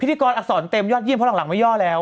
กรอักษรเต็มยอดเยี่ยมเพราะหลังไม่ย่อแล้ว